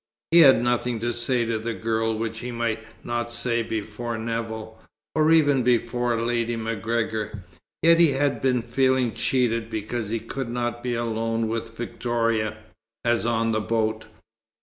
He had nothing to say to the girl which he might not say before Nevill, or even before Lady MacGregor, yet he had been feeling cheated because he could not be alone with Victoria, as on the boat.